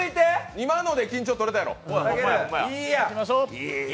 今ので緊張とれたやろ。